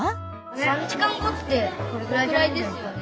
３時間後ってこれくらいですよね？